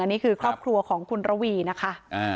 นี่คือครอบครัวของคุณระวีนะคะ